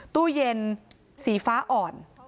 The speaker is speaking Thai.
ตู้เย็นสีฟ้าอ่อน